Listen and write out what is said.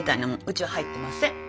うちは入ってません。